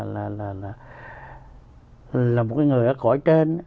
là một người ở cõi trên